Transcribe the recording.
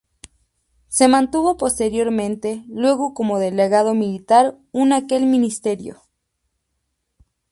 Se mantuvo posteriormente luego como delegado militar en aquel ministerio.